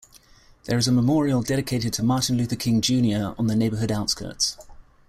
There is a memorial dedicated to Martin Luther King, Junior on the neighborhood outskirts.